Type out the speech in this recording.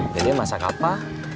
dede masak apa